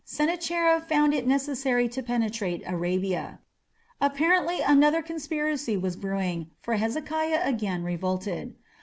Sennacherib found it necessary to penetrate Arabia. Apparently another conspiracy was brewing, for Hezekiah again revolted.